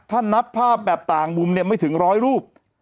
ถ้านับภาพแบบต่างมุมเนี่ยไม่ถึงร้อยรูป